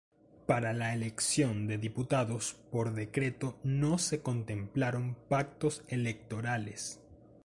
Para la elección de diputados por decreto no se contemplaron pactos electorales.